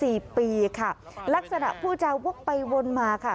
สี่ปีค่ะลักษณะผู้จาวกไปวนมาค่ะ